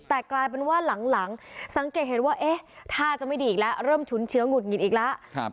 แต่กลายเป็นว่าหลังสังเกตเห็นว่าเอ๊ะท่าจะไม่ดีอีกแล้วเริ่มฉุนเชื้อหงุดหงิดอีกแล้ว